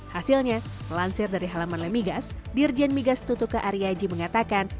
hasilnya melansir dari halaman lemigas dirjen migas tutuka aryaji mengatakan